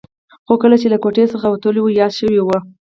خو کله چې له کوټې څخه وتلی و یاد شوي یې و.